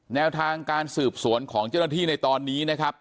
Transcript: แนวทางการสืบสวนของเจ้าหน้าที่ในตอนนี้นะครับ